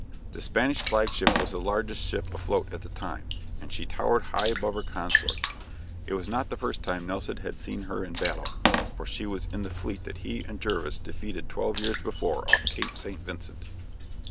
The Spanish flagship was the largest ship afloat at the time, and she towered high above her consorts. It was not the first time Nelson had seen her in battle, for she was in the fleet that he and Jervis defeated twelve years before off Cape St. Vincent.